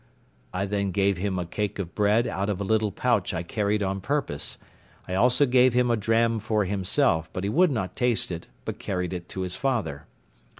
I then gave him a cake of bread out of a little pouch I carried on purpose; I also gave him a dram for himself; but he would not taste it, but carried it to his father.